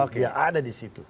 dia ada di situ